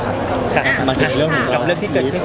กับเรื่องที่เกิดขึ้น